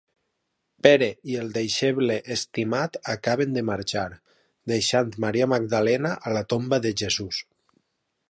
Pere i el Deixeble Estimat acaben de marxar, deixant Maria Magdalena a la tomba de Jesús.